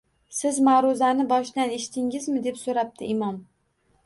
Siz maʼruzani boshidan eshitdingizmi? – deb soʻrabdi imom